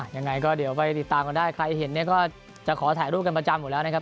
ยังไงก็เดี๋ยวไปติดตามกันได้ใครเห็นเนี่ยก็จะขอถ่ายรูปกันประจำอยู่แล้วนะครับ